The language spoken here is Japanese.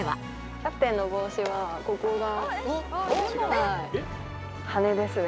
キャプテンの帽子はここが羽根ですね。